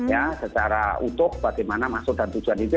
ya secara utuh bagaimana maksud dan tujuan itu